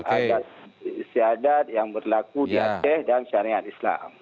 adat isyadat yang berlaku di aceh dan syariat islam